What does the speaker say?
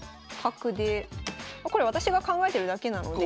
これ私が考えてるだけなので。